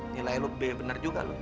nilai lu b bener juga lu